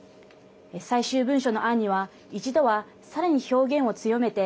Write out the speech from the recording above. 最終文書の案には一度はさらに表現を強めて